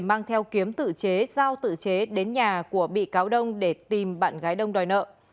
mang theo kiếm tự chế giao tự chế đến nhà của bị cáo đông để tìm bạn gái đông đòi nợ